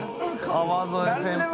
川添先輩